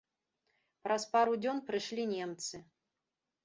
Праз пару дзён прышлі немцы.